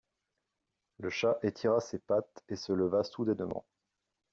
Le chat étira ses pattes et se leva soudainement.